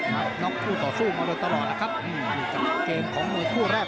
น้องผู้ต่อสู้มาเร็วตลอดนะครับอยู่กับเกมของมือผู้แรก